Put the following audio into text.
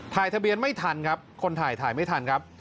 ทะเบียนไม่ทันครับคนถ่ายถ่ายไม่ทันครับ